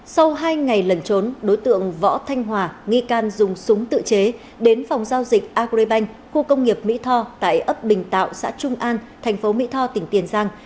sau hai ngày lần trốn đối tượng võ thanh hòa nghi can dùng súng tự chế đến phòng giao dịch agribank khu công nghiệp mỹ tho tại ấp bình tạo xã trung an thành phố mỹ tho tỉnh tiền giang